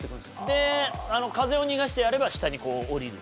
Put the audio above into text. で風を逃がしてやれば下にこうおりる。